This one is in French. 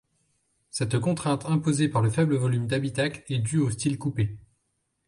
Cette contrainte imposée par le faible volume d'habitacle est due au style coupé.